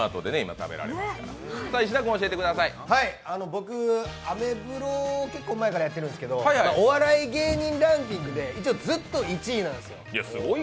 僕、アメブロを結構前からやってるんですけどお笑い芸人ランキングでずっと１位なんですよ。